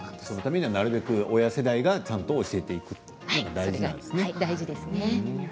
そのために親世代がちゃんと教えていくのが大事ですね。